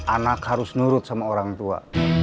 anak harus nurut sama orang tua